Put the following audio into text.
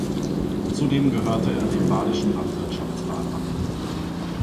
Zudem gehörte er dem Badischen Landwirtschaftsrat an.